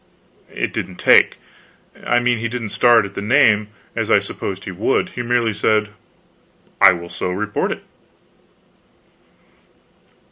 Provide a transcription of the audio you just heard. It didn't take; I mean, he didn't start at the name, as I had supposed he would. He merely said: "I will so report it."